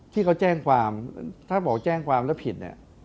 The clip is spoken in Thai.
ที่เขาแจ้งความถ้าบอกแจ้งความแล้วผิดเนี่ย